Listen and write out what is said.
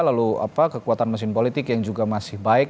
lalu kekuatan mesin politik yang juga masih baik